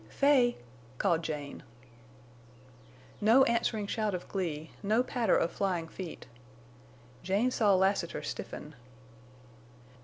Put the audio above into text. "Fay!" called Jane. No answering shout of glee. No patter of flying feet. Jane saw Lassiter stiffen.